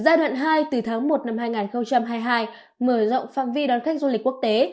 giai đoạn hai từ tháng một năm hai nghìn hai mươi hai mở rộng phạm vi đón khách du lịch quốc tế